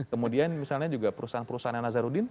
kemudian misalnya juga perusahaan perusahaannya nazarudin